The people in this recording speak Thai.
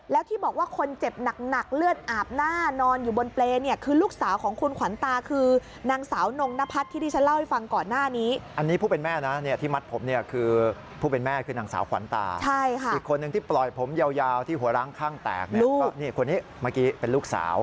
แล้วที่บอกว่าคนเจ็บหนักเลือดอาบหน้านอนอยู่บนเปล